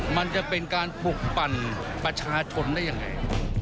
มันจะเป็นการปลุกปั่นประชาชนได้ยังไง